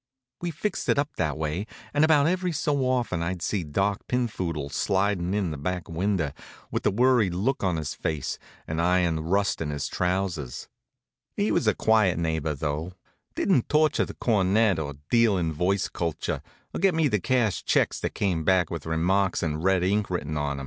We fixed it up that way, and about every so often I'd see Doc Pinphoodle slidin' in the back window, with a worried look on his face, and iron rust on his trousers. He was a quiet neighbor, though didn't torture the cornet, or deal in voice culture, or get me to cash checks that came back with remarks in red ink written on 'em.